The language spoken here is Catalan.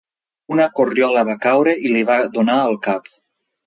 Una corriola va caure i li va donar al cap.